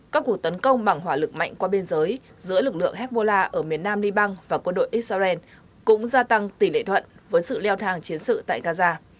các cuộc tấn công bằng hỏa lực mạnh qua biên giới giữa lực lượng hezbollah ở miền nam liban và quân đội israel cũng gia tăng tỷ lệ thuận với sự leo thang chiến sự tại gaza